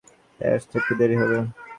তাই আসতে একটু দেরি হবে।